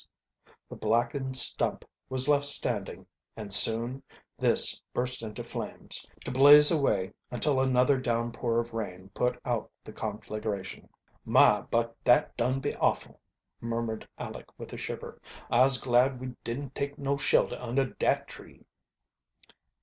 The blackened stump was left standing, and soon this burst into flames, to blaze away until another downpour of rain put out the conflagration. "My, but that dun been awful!" murmured Aleck with a shiver. "Ise glad we didn't take no shelter under dat tree."